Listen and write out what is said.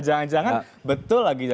jangan jangan betul lagi